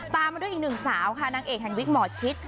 ตามมาด้วยอีกหนึ่งสาวค่ะนางเอกแห่งวิกหมอชิด